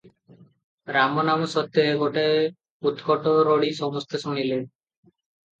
ରାମ ନାମ ସତ୍ୟ ହେ!' ଗୋଟାଏ ଉତ୍କଟ ରଡି ସମସ୍ତେ ଶୁଣିଲେ!